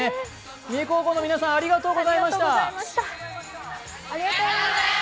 三重高校の皆さん、ありがとうございました。